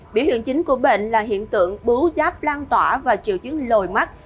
biểu hiện chính của bệnh là hiện tượng bú giáp lan tỏa và triệu chứng lồi mắt